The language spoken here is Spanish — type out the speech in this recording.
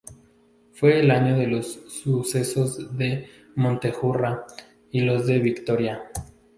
Fue el año de los sucesos de Montejurra y los de Vitoria.